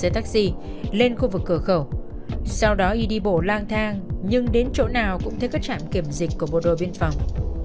tình bộ lang thang nhưng đến chỗ nào cũng thấy các trạm kiểm dịch của bộ đội biên phòng